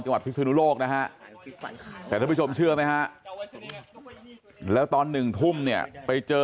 จังหวัดภิกษุนุโลกนะฮะแต่ถ้าผู้ชมเชื่อไหมฮะแล้วตอน๑ทุ่มเนี่ยไปเจอ